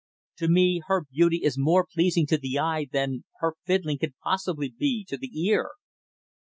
To me her beauty is more pleasing to the eye than her fiddling can possibly be to the ear!"